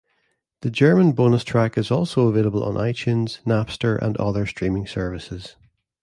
The German bonus track is also available on iTunes, Napster, and other streaming services.